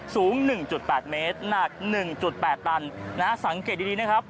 สูง๑๘เมตรหนัก๑๘ตันนะฮะสังเกตดีนะครับ